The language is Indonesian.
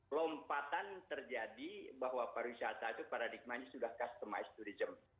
lompatan terjadi bahwa pariwisata itu paradigma ini sudah customized tourism